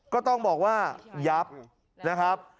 ก็ต้องบอกว่ายับนะครับ